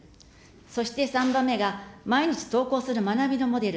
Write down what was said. そして３番目が毎日登校する学びのモデル。